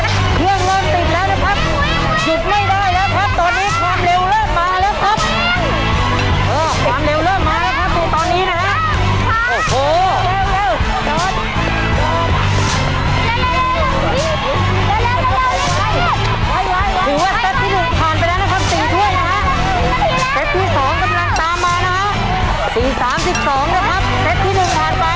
หัวเดียวนะครับหินที่โบ๊คครับ